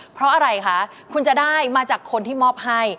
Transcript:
เพราะอะไรคะคุณจะได้มาจากคนที่มอบให้